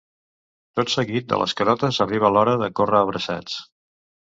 Tot seguit de les carotes arriba l’hora de córrer abraçats.